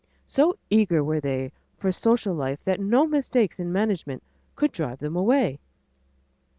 So eager were they for social life that no mistakes in management could drive them away.